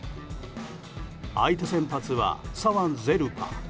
相手先発は左腕ゼルパ。